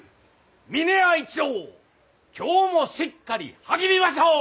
峰屋一同今日もしっかり励みましょう！